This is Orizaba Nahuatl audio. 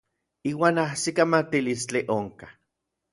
Iuan ajsikamatilistli onkaj.